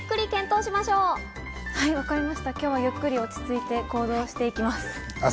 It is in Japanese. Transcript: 今日はゆっくり落ち着いて行動していきます。